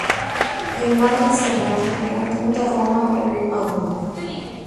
El margen serrado, con punta roma o aguda.